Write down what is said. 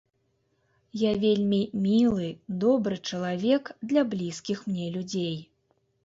Я вельмі мілы, добры чалавек для блізкіх мне людзей.